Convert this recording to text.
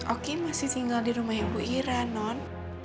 oki masih tinggal di rumah ibu ira non